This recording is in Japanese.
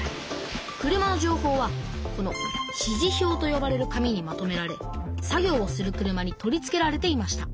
車のじょうほうはこの指示票とよばれる紙にまとめられ作業をする車に取り付けられていました。